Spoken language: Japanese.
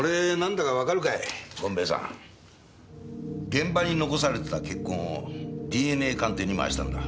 現場に残されてた血痕をＤＮＡ鑑定に回したんだ。